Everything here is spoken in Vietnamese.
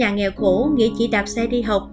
nghĩa chỉ đạp xe đi học